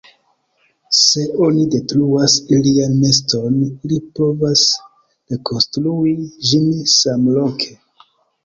Se oni detruas ilian neston, ili provas rekonstrui ĝin samloke.